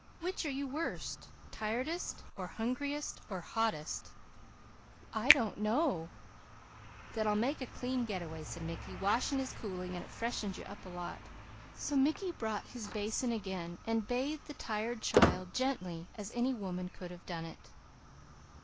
Which are you worst tiredest, or hungriest, or hottest?" "I don't know," she said. "Then I'll make a clean get a way," said Mickey. "Washing is cooling; and it freshens you up a lot." So Mickey brought his basin again, bathing the tired child gently as any woman could have done it.